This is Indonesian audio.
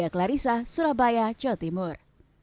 clarissa surabaya jawa timur